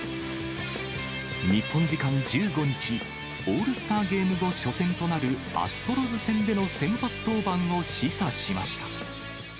日本時間１５日、オールスターゲームの初戦となるアストロズ戦での先発登板を示唆しました。